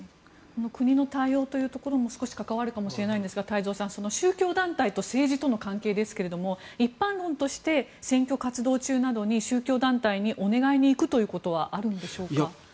国の対応というところも少し関わるかもしれないんですが太蔵さん宗教団体と政治との関係ですが一般論として選挙活動中などに宗教団体にお願いに行くということはあるんでしょうか？